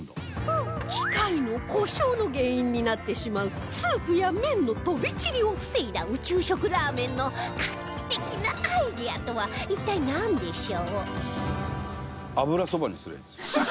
機械の故障の原因になってしまうスープや麺の飛び散りを防いだ宇宙食ラーメンの画期的なアイデアとは一体なんでしょう？